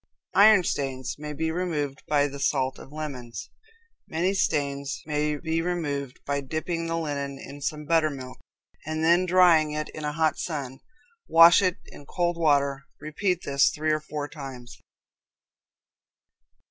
Iron Stains may be removed by the salt of lemons. Many stains may be removed by dipping the linen in some buttermilk, and then drying it in a hot sun; wash it in cold water; repeat this three or four times.